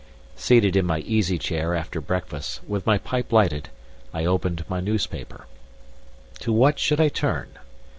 Seated in my easy chair after breakfast, with my pipe lighted, I opened my newspaper. To what should I turn?